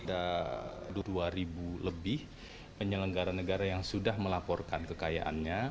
ada dua lebih penyelenggaraan negara yang sudah melaporkan